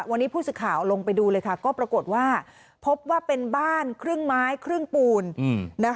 วันนี้ผู้สื่อข่าวลงไปดูเลยค่ะก็ปรากฏว่าพบว่าเป็นบ้านครึ่งไม้ครึ่งปูน